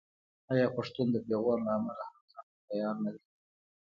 آیا پښتون د پېغور له امله هر کار ته تیار نه دی؟